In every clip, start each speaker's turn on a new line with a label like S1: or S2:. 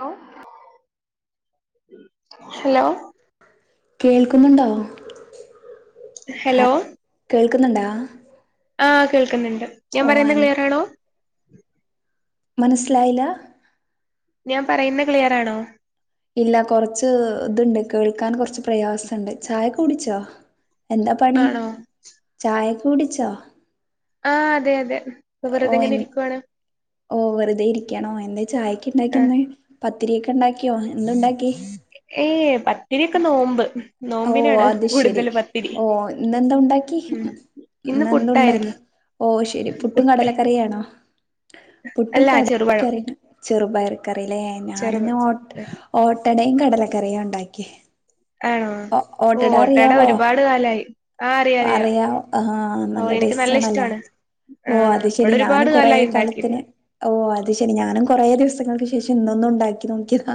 S1: Hello hello
S2: കേൾക്കുന്നുണ്ടോ
S1: hello
S2: ക്കുന്നുണ്ടാ
S1: ആ കേൾക്കുന്നുണ്ട് ഞാൻ പറയുന്നത് ക്ലിയറാണോ
S2: മനസ്സിലായില
S1: ഞാൻ പറയുന്ന ക്ലിയറാണോ
S2: ഇല്ല കൊറച്ച് ഇതുണ്ട് കേൾക്കാൻ കുറച്ച് പ്രയാസുണ്ട് ചായ കുടിച്ചോ എന്താ പണി
S1: ആണോ
S2: ചായ കുടിച്ച
S1: ആഹ അതെ അതെ
S2: ഓ
S1: വെറുതെ
S2: എ
S1: ഇങ്ങനെ ഇരിക്കുവാണ്
S2: ഓ വെറുതെ ഇരിക്കണോ എന്താ ചായക്ക്
S1: ആ
S2: ഉണ്ടാക്കിന്ന് പത്തിരി ക്ക ഇണ്ടാക്കിയോ എന്തു ഇണ്ടാക്കി
S1: [unintelligible] പതി ത്തിരിക്കെ നോമ്പ്
S2: ഓ
S1: നോമ്പിനാണ്
S2: അത് ശരി
S1: കൂടുതൽ പത്തിരി
S2: ഓ ഇന്നെന്ത ഉണ്ടാക്കി
S1: ഉം ഇന്ന്
S2: ഇന്നെന്ത ഉണ്ടാക്കി
S1: പുട്ടായിരുന്നു
S2: ഓ ശരി പുട്ടും
S1: പുട്ട്
S2: കടലക്കറിയാണോ പുട്ടും
S1: അല്ല ചെറുപഴം
S2: കടലക്കറ ചെറുപയറ കറില്ലേ ഞാനിന്ന്
S1: ചെറുപഴം
S2: ഓ ഓട്ട ടയും കടലക്കറിയ ഉണ്ടാക്കിയെ
S1: ആണോ ഓ ഓട്ടട ഒരുപാട് കാലായി ആ അറിയാം അറിയാം
S2: അറിയ ആഹ
S1: ഓ
S2: നല്ല
S1: എനിക്ക്
S2: ടേസ്റ്റ് ആണല്ലോ
S1: ഇഷ്ടമാണ് ആ
S2: ഓ അത് ശരി
S1: ഇവിടെ
S2: ഞാനും
S1: ഒരുപാട്
S2: കൊറേ
S1: കാലായി
S2: കാലത്തിന്
S1: ഉണ്ടാക്കിയിട്ട്
S2: ഓ അത് ശരി ഞാനും കൊറ ദിവസ ങ്ങൾക്ക് ശേഷം ഇന്നൊന്ന് ഉണ്ടാക്കി നോക്കിയതാ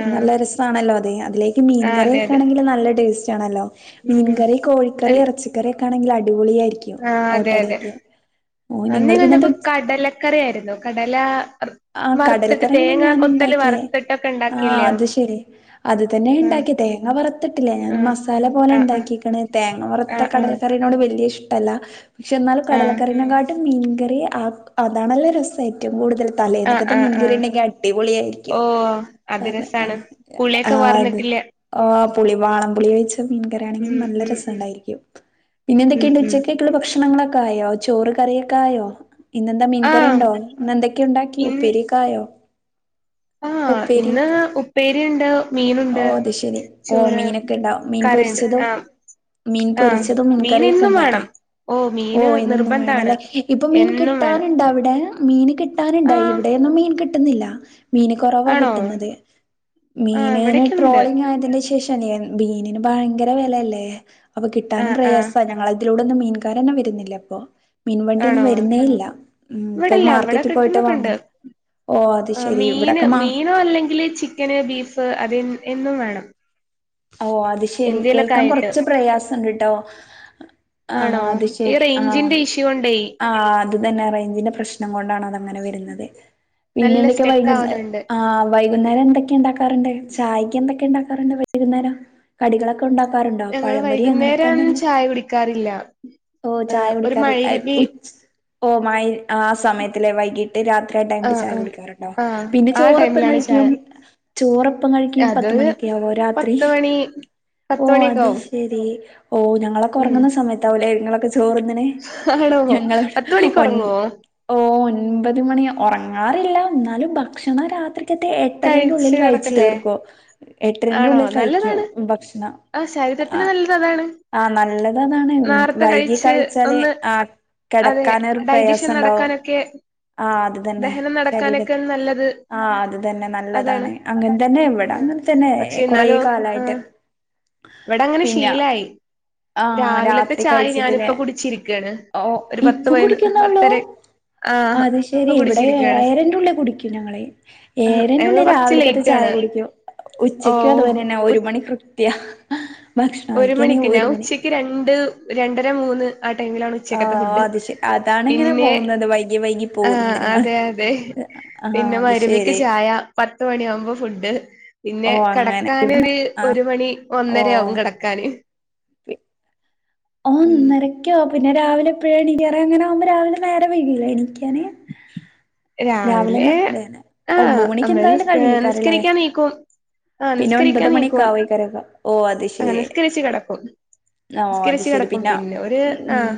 S1: ആ
S2: നല്ല രസമാണല്ലോ അതെ അതിലേക്ക്
S1: ആ അതെ
S2: മീൻകറിക്കെ
S1: അതെ
S2: ആണെങ്കിൽ നല്ല ടേസ്റ്റ് ജണല്ലോ
S1: ഉം ഉം അ
S2: കോഴിക്കറി ഇറച്ചിക്കറി ത്താണെങ്കിൽ അടിപൊളി ആയിരിക്കും
S1: ആ അതെ അതെ
S2: ഓട്ടടയ്ക്ക് ഓ
S1: അന്ന്
S2: നിങ്ങൾ
S1: ഞാൻ
S2: പിന്നെന്ത്
S1: കണ്ടപ്പോ കടലക്കറി ആയിരുന്നു കടല
S2: ആ
S1: വറുത്തിട്ട്
S2: കടലക്കറിയാണ്
S1: തേങ്ങ
S2: ഞാൻ
S1: കൊത്തല്
S2: ഇണ്ടാക്കിയേ
S1: വറുത്തിട്ടൊക്കെ
S2: ആ
S1: ഉണ്ടാക്കില്ലയോ
S2: അതു ശരി അതു തന്നെയാ
S1: ആഹ്
S2: ഇണ്ടാക്കിയേ തേങ്ങ വറത്തിട്ടില്ല ഞാൻ
S1: ആഹ്
S2: മസാല പോലെയാ
S1: ആഹ്
S2: ഉണ്ടാക്കിക്കണ്. തേങ്ങ വറുത്ത
S1: ആഹ് ആഹ്
S2: കടലക്കറിനോട് വലി വലിയ ഇഷ്ടല്ല പക്ഷെ എന്നാലും
S1: ആഹ്
S2: കടലക്കറിനെ കാട്ടി മീൻകറി ആ അതണല്ലോ രസം ഏറ്റവും കൂടുതൽ
S1: ആഹ്
S2: തലേന്നക്കത്തെ
S1: ആഹ്
S2: മീൻകറി
S1: ആഹ്
S2: ഉണ്ടെങ്കി അടിപൊളിയ ആയിരിക്കും
S1: ഓ അത്
S2: അത
S1: രസാണ്
S2: ആ
S1: പുളിയൊക്കെ വാർന്നിട്ടില്ല
S2: ആ ഓ പുളി വാളം പുളി ഒഴിച്ച് ട്ട് മീൻ കറിയാണെങ്കിൽ
S1: ഉം
S2: നല്ല
S1: ഉം
S2: രസം
S1: ഉം
S2: സണ്ടായിരിക്കും
S1: ഉം
S2: പിന്നെന്തൊക്കെയുണ്ട്
S1: ഉം
S2: ഉച്ചത്തേക്കുള്ള ഭക്ഷണങ്ങളൊ ക്കായോ ചോറ് കറിയൊക്കെ ആയോ ഇന്നെന്താ
S1: ആഹ്
S2: മീൻകറിണ്ടോ ഇന്നെന്തൊക്കെയുണ്ടാക്കി ഉപ്പേരിക്കായോ
S1: ആ ഇന്ന് ഉപ്പേരി ണ്ട്
S2: ഓ അത് ശെരി ഓ മീനൊക്കെണ്ടാവും മീൻ
S1: കറിയുണ്ട്
S2: പൊരിച്ചതും
S1: ആഹ്
S2: മീൻ
S1: ആഹ്
S2: പൊരിച്ചതും
S1: മീൻ
S2: മീൻകറിയൊക്കെ
S1: എന്നും വേണം
S2: ഉണ്ടാക്കിയാ ഓ
S1: മീന്
S2: എന്നും
S1: നിർബന്ധാണ്
S2: വേണല്ലേ ഇപ്പൊ മീൻ
S1: എന്നും വേണം
S2: കിട്ടാനുണ്ടോ അവിടെ മീൻ കിട്ടാനുണ്ട
S1: ആഹ്
S2: ഇവിടെ ഒന്നും മീൻ കി കിട്ടുന്നില്ല മീന് കുറവാ
S1: ആണോ
S2: കിട്ടുന്നത് മീൻ
S1: ആഹ്
S2: മീന്
S1: ഇവിടൊക്കെയുണ്ട്
S2: ട്രോളിംഗ് ആയതിന്റെ ശേഷം തന്നെയാ മീനിന് ഭഴ ങ്കര വെലയല്ലേ അപ്പം കിട്ടാനും
S1: ആഹ് ആഹ്
S2: പ്രയാസാ ഞങ്ങള ഇവിടൊന്നും മീൻകാരനെ വരുന്നില്ല ഇപ്പോ മീൻവണ്ടി ഒന്നും
S1: ആണോ
S2: വരുന്നേ ഇല്ല മ്മ് ഇപ്പൊ
S1: ഇവിടില്ല ഇവിടെ
S2: മാർക്കറ്റി പോയിട്ട
S1: കിട്ടുന്നൊക്കെണ്ട്
S2: വാങ്ങും ഓ അത്
S1: ആഹ്
S2: ശെരി
S1: മീന്
S2: ഇവിടൊക്കെ മാ
S1: ഫ് അത് എന്നും വേണം
S2: ഓ അത് ശെരി
S1: എന്തേലൊക്കെ
S2: കേൾക്കാൻ
S1: ആയിട്ട്
S2: കൊറച്ച് പ്രയാസണ്ട് ട്ടോ ആ
S1: ആണോ
S2: അത്
S1: ഈ
S2: ശരി ആ
S1: റേഞ്ചിന്റെ ഇഷ്യൂ കൊണ്ടേ
S2: ആ അത്‌തന്നെ റേഞ്ചിന്റെ പ്രശ്നം കൊണ്ടാണ് അങ്ങനെ വരുന്നത്
S1: നല്ല
S2: പിന്നൊന്തെക്കെക്കെ
S1: സ്റ്റെക്ക്
S2: വൈകുന്നേരം
S1: ആവുന്നുണ്ട്
S2: ആ വൈ കുന്നേരം എന്തൊക്കെ ണ്ടാക്കാറുണ്ട് ചായ്ക്ക് എന്തൊക്കെ ഉണ്ടാക്കാറുണ്ട് വൈ വൈകുന്നേരം കടികളൊക്കെ ക്കൊണ്ടാക്കാറുണ്ടോ
S1: ഞങ്ങള്
S2: പഴമ്പൊരി അങ്ങനത്തെ
S1: വൈകുന്നേരം
S2: എന്തെങ്കില
S1: ചായ കുടിക്കാറില്ല
S2: ഓ ചായ
S1: ഏഹ് ഒരു മഴരിബി
S2: കുടിക്കാറില്ല ഓ സമയത്തിലെ വൈകി ട്ട് രാത്രിയായ ടൈമില്
S1: ആഹ്
S2: ചായ
S1: ആഹ്
S2: കുടിക്കാറുണ്ടോ
S1: ആഹ്
S2: പിന്നെ
S1: ആ
S2: ചോറെപ്പം
S1: ടൈമിലാണ് ചായ
S2: കഴിക്കും ചോറപ്പം കഴിക്കും പത്തുമണിക്കോ ആവും ഒരാ
S1: ത്ത് മണി പത്ത് മണിയൊക്കെ ആവും
S2: [inaudible] ഓ ഞങ്ങളൊക്കെ
S1: ഉം
S2: ഒറങ്ങുന്ന സമയത്താവൂലേ നിങ്ങളൊക്കെ ചോറ്ന്ന്ണ്
S1: ആണോ
S2: ഞങ്ങള്
S1: പത്ത് മണിക്ക്
S2: ഒൻ
S1: ഉറങ്ങുവോ
S2: ഓന് ഒൻപതു മണി ഉറങ്ങാറില്ല ന്നാലും ഭക്ഷണം രാത്രി ക്കത്തെ എട്ടരന്റെ ഉള്ളിൽ കഴിച്ച് തീർക്കും ഏട്ടരന്റെ
S1: ആണോ
S2: ഉള്ളിൽ ഴിക്കും
S1: നല്ലതാണ്
S2: ഭക്ഷണം
S1: ആഹ്
S2: ആ
S1: ശരീരത്തിന് നല്ലത് അതാണ്
S2: ആ നല്ലതതാണ്
S1: നേർത്തെ
S2: വൈകി
S1: കഴിച്ച്
S2: കഴിച്ചാല്
S1: ഒന്ന്
S2: ആ
S1: അതെ
S2: കെടക്കാനൊരു
S1: ഡൈജഷൻ
S2: പ്രയാസണ്ടാവും
S1: നടക്കാനൊക്കെ
S2: ആ അത് തന്നെ
S1: ദഹനം
S2: ശരീത്തി
S1: നടക്കാനൊക്കെ നല്ലത്
S2: ആ അത് തന്നെ
S1: അതാണ്
S2: നല്ലതാണ് അങ്ങനെ തന്നെ ഇവിട അങ്ങനെ തന്നെ
S1: പക്ഷെ
S2: കുറെ
S1: എന്നാലും ആ
S2: കാലായിട്ട്
S1: ഇവിടെ അങ്ങനെ
S2: പിന്നെ
S1: ശീലായി
S2: ആ
S1: രാവിലത്തെ
S2: രാത്രി
S1: ചായ ഞാനിപ്പ
S2: കഴിച്ചിട്ടിലെ
S1: കുടിച്ചിരിക്കയാണ്
S2: ഓ
S1: ഒരു പത്ത്
S2: ഇപ്പം
S1: പതിന
S2: കുടിക്കുന്നേ ഉള്ളൂ
S1: പത്തര ആ
S2: അത്
S1: ഇപ്പൊ
S2: ശരി ഇവിടെ
S1: കുടിച്ചിരിക്കയാണ്
S2: ഏഴരന്റെ ഉള്ളിൽ കുടിക്കും ഞങ്ങളെ ഏഴരന്റെ
S1: ഞങ്ങ
S2: ഉള്ളിൽ
S1: കുറച്ച്
S2: രാവിലക്കത്തെ
S1: ലേറ്റ്
S2: ചായ
S1: ആണ്
S2: കുടിക്കും
S1: ഓ
S2: ഉച്ചയ് അത് പോലെന്നെ ഒരു മണി കൃ ത്യ
S1: ഒരു മണിക്ക് ഞാൻ ഉച്ചക്ക് രണ്ട് രണ്ടര മൂന്ന് ആ ടൈമിലാണ്
S2: ആ
S1: ഉച്ചക്കത്തെ ഫുഡ്
S2: അത് ശരി അതാണ് ഇങ്ങനെ
S1: പിന്നെ
S2: പോകുന്നത് വൈകി വൈകി
S1: ആഹ്
S2: പോകുന്നത്ങ്ങൾ
S1: അതെ അതെ
S2: ആ
S1: പിന്നെ
S2: അത്
S1: മഗ്‌രിബിക്ക്
S2: ശരി
S1: ചായ പത്ത് മണിയ ആകുമ്പോ ഫുഡ് പിന്നെ
S2: ഓ അങ്ങനെ
S1: കിടക്കനോരു
S2: ആഹ്
S1: ഒരു മണി
S2: ഓ
S1: ഒന്നരയാവും കിടക്ക
S2: [unintelligible]
S1: ഉം
S2: ഒന്നരക്കോ പിന്നെ രാവിലെ എപ്പോഴും എണിക്കാറ് അങ്ങനെ ആകുമ്പോ രാവിലെ നേരെ വൈകല്ലെ എണിക്കാന്
S1: രാവിലെ
S2: രാവിലെന്ന് [unintelligible] ഒമ്പ
S1: ആഹ്
S2: മണിക്ക്
S1: നമ്മള്
S2: എന്തായാലും
S1: നിസ്
S2: കഴിയക്കാറല്ലേ
S1: നിസ്കരിക്കാൻ നീക്കും ആഹ്
S2: പിന്നെ ഒൻപത്
S1: നിസ്കരിക്കാൻ
S2: മണിക്കെ
S1: നീക്കും
S2: ആവോയിക്കരക്ക ഓ അത്
S1: ആഹ്
S2: ശരി
S1: നിസ്കരിച്ച് കെടക്കും
S2: അത് ശരി
S1: നിസ്കരിച്ച്
S2: ശരി
S1: കെടക്കും
S2: പിന്നെ
S1: ഒരു ആഹ്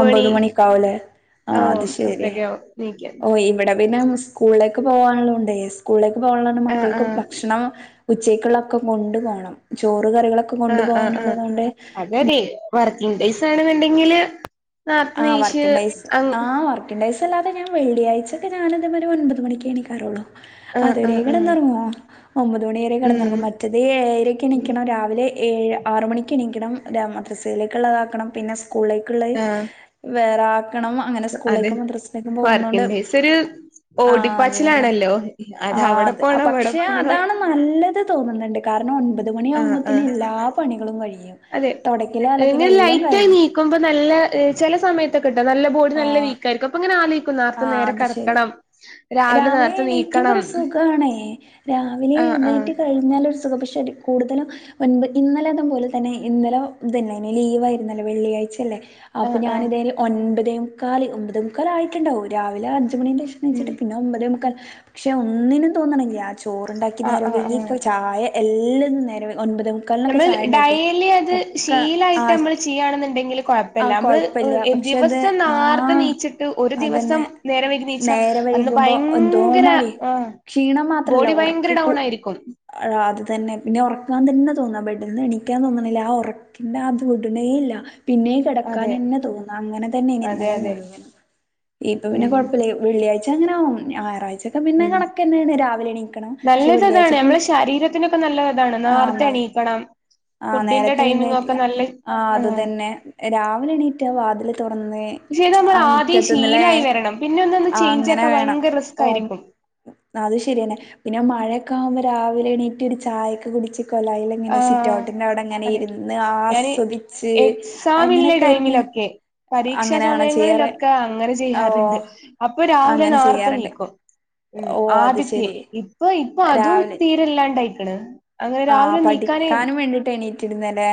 S2: ഒമ്പത് മണിക്കാവൂലെ ആ
S1: ഓഹ്
S2: അത് ശരി
S1: അത്രയൊക്കെയാവും നീക്കാൻ
S2: ഓ ഇവിടെ പിന്നെ സ്കൂളിലേക്ക് പോകാനുള്ളുണ്ടെ സ്കൂളില പോകാനുള്ള
S1: ആഹ്
S2: മക്കൾക്ക്
S1: ആഹ്
S2: ഭക്ഷണം ഉച്ചക്കുള്ളക്കെ കൊണ്ട് പോണം ചോറ് കറികളൊക്കെ കൊണ്ടു
S1: ആഹ് ആഹ് ആഹ്
S2: പോകാനുള്ളതുകൊണ്ട്
S1: അതതെ വർക്കിംഗ് ഡേയ്സ് ആണെന്നുണ്ടെങ്കിൽ
S2: ആ വർക്കിങ്ങ് ഡേയ്സ് ആ വർക്കിങ്ങ് ഡേയ്സ് അല്ലാതെ ഞാൻ വെള്ളിയഴ്ച്ചക്കെ ഞാൻ ഒരു ഒൻമ്പത് മണിക്കേ എണിക്കാറുള്ളൂ.
S1: ആഹ് ആഹ്
S2: അതുവരെയും
S1: ആഹ്
S2: കിടന്നുറങ്ങുവോ? ഒമ്പത് മണിയരെ
S1: ഉം
S2: കിടന്നിറങ്ങും മറ്റേത് ഏഴരയ്ക്ക് എണിക്കണം രാവിലെ ഏഴ് ആറ് മണിക്ക് എണീക്കണം മദ്രസയിലേക്കുള്ളതാക്കണം പിന്നെ സ് സകൂളിലേക്കുള്ളത്
S1: ആഹ്
S2: [unintelligible] ക്കണം അങ്ങനെ
S1: അതെ
S2: സ്കൂളിലേക്കു മദ്രസയിലേക്കു പോകുന്ന കൊണ്ട്
S1: വർക്കിംഗ് ഡേയ്സ് ഒരു
S2: ആ അത് തന്നെ
S1: ഓടിപ്പാച്ചിലാണല്ലോ അത്
S2: ആ
S1: അവിടെ
S2: ആ
S1: പോണം ഇവിടെ
S2: പക്ഷേ
S1: പോണം
S2: അതാണ് നല്ലത് തോന്നുന്നുണ്ട്. കാരണം ഒൻപ പത്
S1: ആഹ്
S2: മണിയാകുമ്പഴത്തേക്കിന്
S1: ആഹ്
S2: എല്ലാ പണിയും കഴിയും
S1: അതെ
S2: തുടക്കലും അലക്കലും
S1: ഇങ്ങനെ
S2: എല്ലാം കഴിയും.
S1: സമയത്തൊക്കെ കട്ടോ നല്ല ബോഡി നല്ല വീക്കായിരിക്കും അപ്പൊ ആ
S2: ആ അത് ശരി. രാവിലെ
S1: നേരത്തെ
S2: എണീക്കുമ്പോ
S1: നീക്കണം
S2: ഒരു സുഖണേ. രാവിലെ
S1: ആഹ് ആഹ്
S2: എഴുന്നേറ്റ്കഴിഞ്ഞാൽ ഒരു സുഖം പക്ഷെ ശരി കൂടുതലും മുൻപ് ഇന്നലെഅതു പോലെ തന്നെ ഇന്നലെ ഇതല്ലേ അ ലീവ് ആയിരുന്നല്ലേ വെള്ളിആഴ്ച അല്ലേ. അപ്പൊ
S1: ആഹ്
S2: ഞാൻ
S1: ആഹ്
S2: എന്തായാലും ഒൻപത് മുകാല് ഒമ്പതെ മുക്കാൽ ആയി ണ്ടാവ രാവില അഞ്
S1: ഉം
S2: ണിച്ചിട്ട് പിന്നെഒമ്പതേമു പക്ഷെ ഒന്നിനും തോണണില്ല.
S1: ആഹ്
S2: ചോറുണ്ടാക്കിനേരമില്ല.
S1: ആഹ്
S2: ഇനി
S1: ആഹ്
S2: ഇപ്പ ചായ എല്ലാരും നേരെ
S1: നമ്മൾ ഡെലി അത്
S2: ഒക്കെ
S1: ശീലായിട്ട് നമ്മള് ചെയ്യയാണെന്നുണ്ടെങ്കിൽ കൊഴ
S2: ആ കൊഴപ്പില്ല പക്ഷെ അത് ആ
S1: നീച്ചിട്ട് ഒരു ദിവസം
S2: അതന്നെ
S1: നേരം വൈകി നീച്ചാ
S2: നേരം
S1: അന്ന്
S2: വൈകുമ്പോ എന്തോ
S1: ഭയങ്കര
S2: മാരി
S1: ആഹ്
S2: ക്ഷീണം മാത്രല്ല
S1: ബോഡി ഭയങ്കര
S2: ഉറക്കക്കൂ
S1: ഡൗൺ ആയിരിക്കും
S2: ആ അത് തന്നെ പിന്നെ ഉറക്കാൻ തന്നെ തോന്നു ബെഡിന്ന്എണിക്കാൻ തോണന്നില്ല. ആ ഉറക്കിന്റെ അത് ബിഡണേ ഇല്ല. പിന്നെയുംകിടക്കാൻ
S1: അതെ
S2: തന്നെ തോന്നാഅങ്ങനെ തന്നെ ഇനി
S1: അതെ
S2: ഇന്നലെ
S1: അതെ
S2: മുഴുവനു. ഇപ്പൊ പിന്നെ
S1: ഉം
S2: കൊഴപ്പില്ല വെള്ളിയാഴ് പക്ഷ അങ്ങനെഞായറാഴ് പിന്നെ
S1: ഉം
S2: കണക്കന്നെ രാവിലെ നീക്കണം പക്ഷെ
S1: നല്ലത്
S2: വെള്ളിയാഴ്ച്ച
S1: അതാണ്
S2: ഫുൾ
S1: നമ്മളെ ശരീരത്തിനൊക്കെ നല്ലത് അതാണ്
S2: ആ
S1: നേർത്തെ എണീക്കണം
S2: ആ
S1: ഫുഡിന്റെ
S2: നേരത്തെ
S1: ടൈമിംഗ് ഒക്കെ
S2: എഴുന്നേറ്റില്ല
S1: നല്ല
S2: ആ അതു
S1: ആഹ്
S2: തന്നെ രാവിലെ എണീറ്റ വാതില തുറന്ന്
S1: പക്ഷെ ഇത് നമ്മൾ
S2: ആ
S1: ആദ്യം
S2: മുറ്റത്ത്ന്നല്ലേ
S1: ശീലായി വരണം പിന്നെ ഒന്നൊന്ന്
S2: ആ
S1: ചേഞ്ച്
S2: അങ്ങനെ
S1: ആക്കാൻ
S2: വേണം
S1: ഭയങ്കര റിസ്ക്
S2: ഓ
S1: ആയിരിക്കും
S2: അത് ശരിയന്നെ പിന്നെ മഴയൊക്കെ ആകുമ്പോ രാവിലെ എണീറ്റ് ഒരു ചായയൊക്കെ കുടിച്ച് കോലായിൽ ഇങ്ങനെ
S1: ആഹ്
S2: സിറ്റഔട്ടിന്റെ അവിടെ അങ്ങനെ
S1: അതെ
S2: ഇരുന്ന് ആസ്വദിച്ച്
S1: മിലെ
S2: അങ്ങനെയൊക്കെ ഇരിക്ക
S1: ടൈമിലൊക്കെ പരീക്ഷാ
S2: അങ്ങനെയാണോ ചെയ്യാറ്
S1: സമയങ്ങളിലൊക്കെ അങ്ങനെ ചെയ്യാറുണ്ട്
S2: ഓഹ്
S1: അപ്പൊ രാവിലെ
S2: അങ്ങനെ
S1: നേർത്തെ
S2: ചെയ്യാറ്ണ്ട്
S1: എണിക്കും.
S2: ഓഹ് അത്
S1: ആദ്യക്കെ
S2: ശരി
S1: ഇപ്പ ഇപ്പൊ അതും
S2: രാവിലെ
S1: തീരെല്ലാണ്ടയിക്കണ് അങ്ങനെ രാവിലെ ന
S2: ഠിക്കാനും വേണ്ടിട്ട് എണീറ്റിരുന്നല്ലേ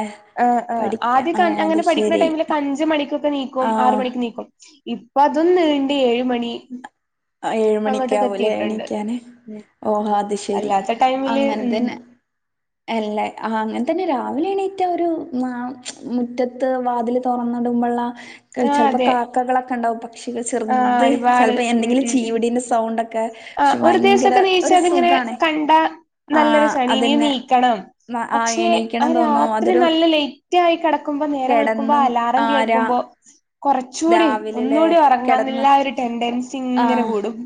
S2: പഠിക്കാ ആ അത്. ശരി
S1: ടൈമൊക്ക അഞ്ച് മണിക്കൊക്കെ നീക്കും ആറ്
S2: ആഹ്
S1: മണിക്ക് നീക്കും ഇപ്പൊ ഇപ്പൊ അതും നീണ്ട് ഏഴു മണി
S2: ഏഴ്
S1: അങ്ങോട്ടൊക്കെ
S2: മണിക്കാവൂലെ
S1: എത്തിയിട്ടുണ്ട്
S2: എണീക്കാനെ
S1: ഉം
S2: ഓഹോ അത് ശരി
S1: അല്ലാത്ത ടൈമില്
S2: അങ്ങനെ
S1: ഉം
S2: തന്നെ അല്ലേ അങ്ങനെ തന്നെ രാവിലെ എണീ മറ്റ ഒരു മുറ്റത്ത് വാതിൽ തുറന്നിടുമ്പോള്ള
S1: ആഹ്
S2: ചെല്പ്പോ
S1: അതെ
S2: കാക്കകളൊക്കെ ണ്ടാവും പക്ഷികെ
S1: ആഹ്
S2: ചെറുത് ചെലപ്പോൾ എന്തെങ്കിലും ചീവിടിന്റെ സൗണ്ട് ഒക്കെ
S1: ആ ഒരു ദിവസൊക്കെ നീയിച്ചാ അതിങ്ങനെ
S2: സുഖാണ്
S1: കണ്ടാ നല്ലൊരു
S2: ആഹ്
S1: സണി ഇനി
S2: അതന്നെ
S1: നീക്കണം
S2: ആഹ്
S1: പക്ഷെ ആ
S2: എണീക്കണം തോന്നും
S1: രാത്രി
S2: അതൊരു
S1: നല്ല ലേറ്റ് ആയി കിടക്കുമ്പോ നേരം വിളക്കുമ്പോ
S2: കെടന്നും
S1: അലാറം
S2: ആരാ
S1: കേൾക്കുമ്പോ കുറച്ചുകൂടി
S2: രാവിലെല്ലേ
S1: ഒന്നുകൂടി
S2: കെടന്ന്
S1: ഉറങ്ങാന്നില്ല ഒരു ടെൻറൻസി ഇങ്ങനെ കൂടും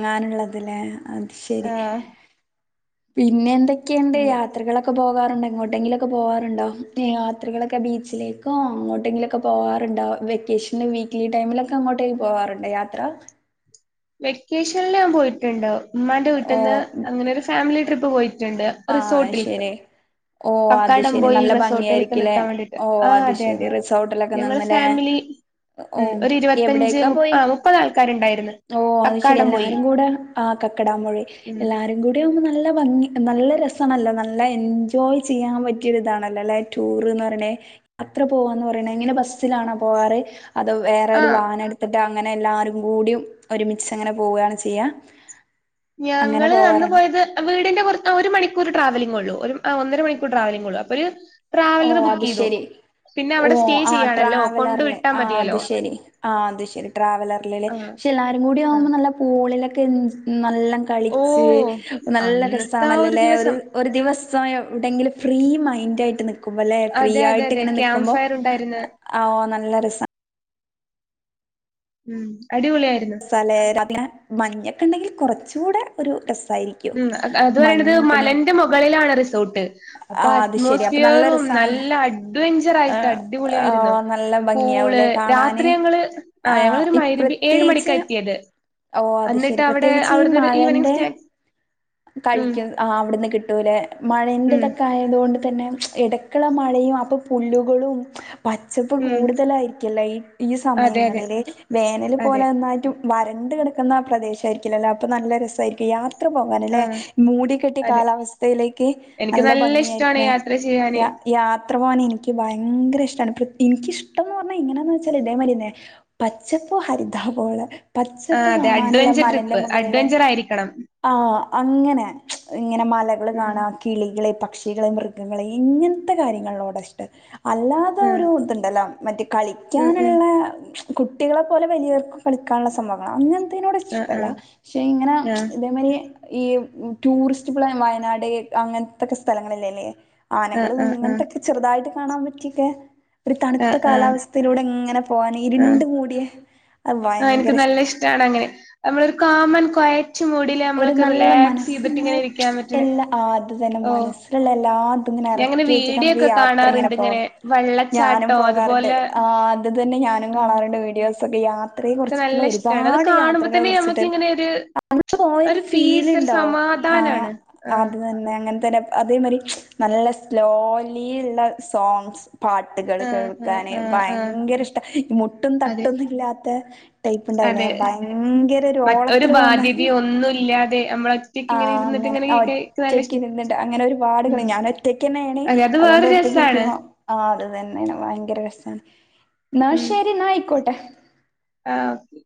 S2: അങ്ങാനുള്ളതിൽ അത് ശരി
S1: ആഹ്
S2: പിന്നെ എന്തൊക്ക ണ്ട്
S1: അങ്ങനെ
S2: യാത്രകളൊക്കെ പോ പോകാറുണ്ട് എങ്ങോട്ടങ്കിലുക്കെ പോകാറുണ്ടോ യാത്രകളൊക്കെ ബീച്ചിലേക്കോ അങ്ങോട്ടെങ്കിലുംക്കെ പോകാറുണ്ടോ വെക്കേഷനി വീക്കലി ടൈമിലൊക്കെ അങ്ങോട്ടേ പോകാറുണ്ട് യാത്ര
S1: വെക്കേഷനിൽ ഞാൻ പോയിട്ടുണ്ട് ഉമ്മാന്റെ വീട്ടിൽ
S2: ഓ
S1: നിന്ന് അങ്ങനെ ഒരു ഫാമിലി പോയി ണ്ട്
S2: ആഹ്
S1: റിസോർട്ടിൽക്ക്
S2: ശരി ഓ അത് ശരി
S1: കക്കാടംപോയിൽ
S2: നല്ല ഭംഗിയ
S1: റിസോർട്ടിൽക്ക്
S2: ആയിരിക്കില്ലേ
S1: നിക്കാൻ വേണ്ടിട്ട്
S2: ഓ
S1: ആഹ്
S2: അത്
S1: അതെ
S2: ശരി
S1: അതെ
S2: റിസോർട്ടിലൊക്കെ
S1: ഞങ്ങള്
S2: നിന്നല്ലേ
S1: ഫാമിലി
S2: ഓ
S1: ഉം ഒരു ഇരുപത്തഞ്ച്
S2: എവിടെക്കാ
S1: മു
S2: പോയി
S1: ആ മുപ്പത് ആൾക്കാരുണ്ടായിരുന്നു
S2: ഓ അത് ശരി
S1: കക്കാടംപൊയിൽ
S2: എല്ലാരും കൂടെ ആ കക്കടാമഴി
S1: ഉം
S2: എല്ലാരും കൂടെ ആവുമ്പോ നല്ല ഭംഗി നല്ല രസണല്ലോ നല്ല എൻജോയ് ചെയ്യാൻ പറ്റിയ ഇതാണല്ലോ അല്ല ടൂർ എന്ന് പറയണേ യാത്ര പോവാന്ന് പറയണ ഇങ്ങനെ ബസ്സിലാണോ പോവാറ് അത വേറെ ഒരു
S1: ആഹ്
S2: വാഹന എടു അങ്ങനെ എല്ലാരും കൂടിയും ഒരുമിച്ച അങ്ങനെ പോവുകയാണ് ചെയ്യാ അങ്ങനെ
S1: ഞങ്ങള് അന്ന്
S2: പോവാറാണ്
S1: പോയത് വീടിന്റെ കുറ ഒരു മണിക്ക ഒരു ട്രാവലി് ഉള്ളൂ ഒരു ഒന്നര മണിക്കൂർട്രാവലിംഗ ഉള്ളൂ അപ്പൊ ഒരു
S2: ഓ
S1: ട്രാവലർ ബുക്ക്
S2: അത്
S1: ചെയ്തു
S2: ശരി
S1: പിന്നെ
S2: ഓ
S1: അവിടെ സ്റ്റേ
S2: ആ
S1: ചെയ്യാണല്ലോ കൊണ്ട്
S2: ട്രാവലറിൽ
S1: വിട്ടാ
S2: ആ അത്
S1: മതിയല്ലോ
S2: ശെരി ആ അത് ശരി ട്രാവലറിലല്ലേ
S1: ആഹ്
S2: പക്ഷെ എല്ലാരും കൂടി ആവുമ്പോ
S1: ആഹ്
S2: നല്ല പോളിലക്കെ നല്ല കളിച്ചു
S1: ഓഹ്
S2: നല്ല
S1: അന്നത്തെ ആ ഒരു
S2: രസമാണല്ല
S1: ദിവസം
S2: ഒരു ദിവസം എവിടെങ്കിലും ഫ്രീ മൈൻഡായിട്ട് ഉവ്യല്ലേ ഫ്രീ
S1: അതെ അതെ
S2: ആയിട്ട്
S1: അതെ
S2: ഇങ്ങനെ
S1: ക്യാമ്പ്
S2: നക്കുമ്പോ
S1: ഫയർ ഉണ്ടായിരുന്നു
S2: ആ നല്ലറിസ
S1: ഉം അടിപൊളിയായി
S2: മസാലെ [unintelligible] മഞ്ഞ ഒക്കെ ഉണ്ടെങ്കിൽ കുറച്ച് കൂടെ ഒരു രസം
S1: ഉം അത് പറയണത് മലന്റെ മുകളിലാണ് റിസോർട്ട് അപ്പൊ
S2: ആ അത് ശെരി അപ്പൊ നല്ല
S1: അറ്റ്മോസ്ഫിയറും നല്ല
S2: രസാണ്
S1: അഡ്വെഞ്ചറ ആയിട്ട് അടിപൊളിയായിരുന്നു
S2: ആഹ് നല്ല
S1: പൂള്
S2: ഭംഗിയാവൂലേ കാണാന്
S1: രാത്രി ഞങ്ങള് ആ
S2: ആഹ്
S1: ഞങ്ങളൊരു
S2: ഇ
S1: [unintelligible] ഏഴു മണി
S2: പ്രത്യേകിച്ച്
S1: ക്കത്തിയത്
S2: ഓ അത് ശെരി പ്രത്യേകിച്ച് ഈ
S1: ഈവനിങ്
S2: മഴൻ്റെ
S1: സ്നാക്സ് ഉം
S2: കഴിക്കും ആ അവിടുന്ന് കിട്ടൂലെ
S1: ഉം
S2: മഴേന്റെതൊക്കെ ആയതുകൊണ്ട് തന്നെ ഇടയ്ക്കുള്ള മഴയും അപ്പൊ പുല്ലുകളും പച്ചപ്പ്
S1: ഉം
S2: കൂടുതലായിരിക്കല്ല ഈ ഈ
S1: അതെ അതെ
S2: സമയങ്ങളില് വേനല്
S1: അതെ
S2: പോലെ നന്നായിട്ട് വരണ്ട് കിടക്കുന്ന ആ പ്രദേശ ആയിരിക്കില്ലല്ലോ അപ്പൊ നല്ല രസായിരിക്കും യാത്ര പോവാനല്ലേ
S1: ആഹ്
S2: മൂടിക്കെട്ടിയ
S1: അതെ
S2: കാലാവസ്ഥയിലേക്ക്
S1: എനിക്ക്
S2: നല്ല
S1: ഇഷ്ടാണ്
S2: ഭംഗിയായിരിക്കില്ലേ,
S1: യാത്ര ചെയ്യാന്
S2: യാ യാത്ര പോവാൻ എനിക്ക് ഭയങ്കര ഇഷ്ടാണ്, പ്ര നിക്ക് ഇഷ് ഇഷ്ടംന്ന് പറഞ്ഞ ഇങ്ങനന്ന് വെച്ചാല് ഇതേമാതിരി തന്നെ പച്ചപ്പും ഹരിതാഭവും ഒള്ളെ
S1: ആ അതെ അഡ്വഞ്ചർ ട്രിപ്പ് അഡ്വഞ്ചർ ആയിരിക്കണം.
S2: ആ അങ്ങനെ ഇങ്ങനെ മലകൾ
S1: ഉം
S2: കാണാം, കിളികളെ പ പക്ഷികളേം മൃഗങ്ങളെ ഇങ്ങനത്തെ കാര്യങ്ങളോട ഇഷ്ട അല്ലാതെ
S1: ആഹ്
S2: ഒരു ഇതുണ്ടല്ലോ മറ്റേ
S1: ഉം ഉം
S2: കളിക്കാനുള്ള കുട്ടികളെ പോലെ വലിയവർക്കും കളിക്കാനുള്ള സംഭവങ്ങളാ അങ്ങന് അതിനോട്
S1: ആഹ്
S2: ഇഷ്ടല്ല
S1: ആഹ്
S2: ക്ഷേ ഇങ്ങനെ ഇതേമാരി ഈ ടൂറിസ്റ്റ് പ്ല വയനാട് അങ്ങനത്തെക്കെ സ്ഥലങ്ങളല്ലേലേ
S1: ആഹ്
S2: ആനകളും
S1: ആഹ് ആഹ് ആഹ്
S2: ഇങ്ങനത്തെക്കെ ചെറുതായിട്ട് കാണാൻ പറ്റിയക്കെ ഒരു തണുത്ത
S1: ആഹ് ആഹ്
S2: കാലാവസ്ഥയിലൂടെ ഇങ്ങനെ പോകാൻ ഇരുണ്ടു മൂടിയെ
S1: ആ എനിക്ക് നല്ല ഇഷ് ഷ്ടാണങ്ങനെ നമ്മള് ഒരു കാം ആൻ കൊയ
S2: ഒരു നല്ല മനസ്സ് ഇങ്ങനെ
S1: ഇരിക്കാൻ പറ്റണെ
S2: എല്ലാ ആ അത് തന്നെ
S1: ഓഹ്
S2: മനസ്സിലുള്ള എല്ലാതും ഇങ്ങനെ
S1: ഞാങ്ങനെ
S2: എറക്കി വെച്ചിട്ട്
S1: വീഡിയോ
S2: നമുക്ക്
S1: ഒക്കെ
S2: യാത്ര ഇങ്ങനെ
S1: കാണാറുണ്ട്
S2: പോ ഞാനും
S1: വെള്ളച്ചാട്ടോ
S2: പോകാറുണ്ട്,
S1: അതുപോലെ
S2: ആ അത് തന്നെ ഞാനും കാണാറുണ്ട് വീഡിയോസ് [unintelligible]
S1: ക്കെ നല്ല ഇഷ്ടാണ്, അത്
S2: ഒരുപാട്
S1: കാണുമ്പോ തന്നെ നമ്മക്ക് ഇങ്ങനെ ഒരു
S2: [unintelligible] പോയ ഒരു
S1: പീസ് ഒരു
S2: ഫീൽണ്ടാവും ആ
S1: സമാധാനാണ്. ആഹ്
S2: അത് തന്നെ. അങ്ങൻ തന്നെ അതേമാരി നല്ല സ്ലോലിള്ള സോങ്സ് പാട്ടുകള്
S1: ആഹ് ആഹ്
S2: കേൾക്കാന്
S1: ആഹ് ആഹ്
S2: ഭയങ്കര ഇഷ്ടാ മുട്ടും
S1: അതെ
S2: തട്ടൊന്നില്ലാത് തെ ടൈപ്പ് ഇണ്ടാവുലേ
S1: അതെ
S2: ഭയങ്കര ഒരു ഓളത്തില് പോകുന്ന
S1: [unintelligible] ഒന്നുല് ല്ലാതെ
S2: ആ അങ്ങനെ ആ
S1: നല്ല
S2: ഒറ്റക്ക്
S1: ഇഷ്ട
S2: ഇരുന്നിട്ട് അങ്ങനെ
S1: ഉം
S2: ഒരുപാടുക ഞാൻ ഒറ്റക്ക്ന്നെ ആണ്
S1: അതെ അത്
S2: അതുകൊണ്ട്
S1: വേറൊരു
S2: ഒറ്റക്ക്
S1: രസാണ്.
S2: ഇരിക്കുമ്പ ആ അത്തന്നെയാണ് ഭയങ്കര രസാണ്, ന്നാശെരി എന്ന ആയിക്കോട്ടെ.
S1: ആ ഓക്കെ